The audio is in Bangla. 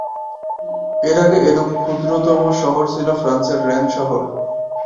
এর আগে এরূপ ক্ষুদ্রতম শহর ছিল ফ্রান্সের রেন শহর।